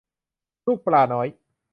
ลูกปลาน้อย